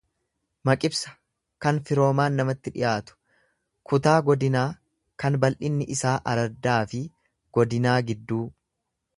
Maqibsa kan firoomaan namatti dhiyaatu. kutaa godinaa kan bal'inni isaa araddaafi godinaa gidduu.